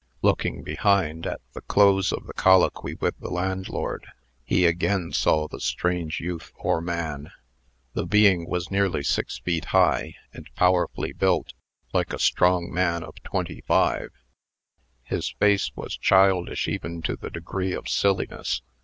Looking behind, at the close of the colloquy with the landlord, he again saw the strange youth, or man. The being was nearly six feet high, and powerfully built, like a strong man of twenty five. His face was childish even to the degree of silliness.